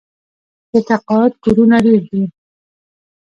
د تقاعد کورونه ډیر دي.